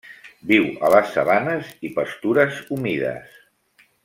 Viu a les sabanes i pastures humides.